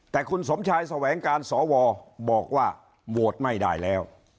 แต่คุณสมชายแสวงการสวบอกว่าโหวตไม่ได้แล้ว